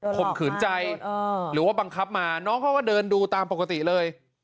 ข่มขืนใจหรือว่าบังคับมาน้องเขาก็เดินดูตามปกติเลย